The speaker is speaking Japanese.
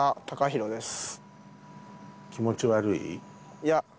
いや。